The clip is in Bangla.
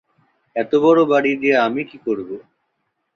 এত বড় বাড়ি দিয়ে আমি করব কী?